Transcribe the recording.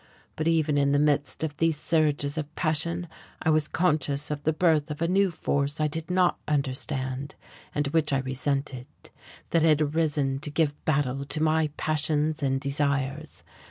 But even in the midst of these surges of passion I was conscious of the birth of a new force I did not understand, and which I resented, that had arisen to give battle to my passions and desires.